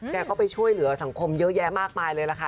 แกก็ไปช่วยเหลือสังคมเยอะแยะมากมายเลยล่ะค่ะ